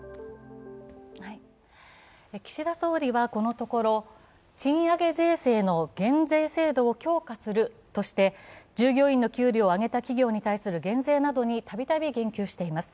岸田総理はこのところ、賃上げ税制の減税制度を強化するとして従業員の給料を上げた企業などに言及しています。